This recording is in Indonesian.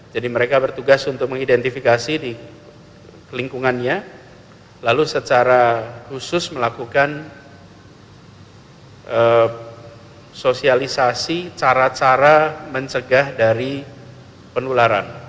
jadi mereka bertugas untuk mengidentifikasi di kelingkungannya lalu secara khusus melakukan sosialisasi cara cara mencegah dari pendularan